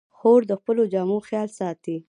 خور د خپلو جامو خیال ساتي.